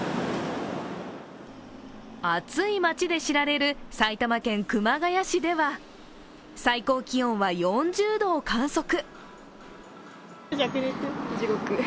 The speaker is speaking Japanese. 暑い街で知られる埼玉県熊谷市では、最高気温は４０度を観測。